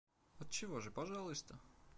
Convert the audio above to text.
Отчего же, пожалуйста.